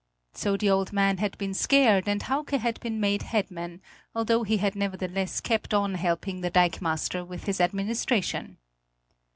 So the old man had been scared, and Hauke had been made head man, although he had nevertheless kept on helping the dikemaster with his administration.